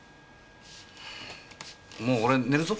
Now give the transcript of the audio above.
もう俺寝るぞ？